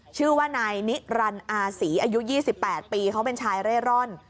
ชื่อว่านายนิรันดิ์อาศรีอายุ๒๘ปีเขาเป็นชายเร่ร่อน